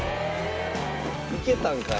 「行けたんかい」